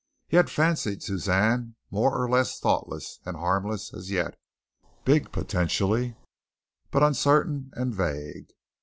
He had fancied Suzanne more or less thoughtless and harmless as yet, big potentially, but uncertain and vague.